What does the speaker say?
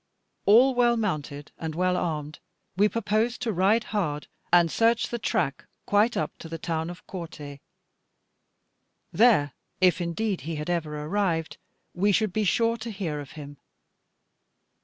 All well mounted, and well armed, we purposed to ride hard, and search the track quite up to the town of Corte. There, if indeed he had ever arrived, we should be sure to hear of him.